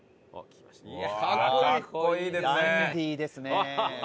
ダンディーですね。